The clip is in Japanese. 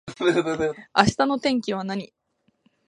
明日の天気は何